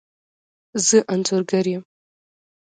زه انځورګر یم